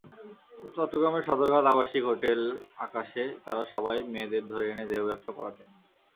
চট্টগ্রামের সদরঘাট আবাসিক হোটেল আকাশে তাঁরা সবাই মেয়েদের ধরে এনে দেহব্যবসা করাতেন।